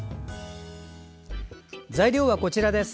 材料はこちらです。